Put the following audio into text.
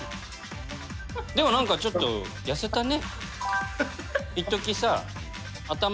でも、なんかちょっと痩せたね。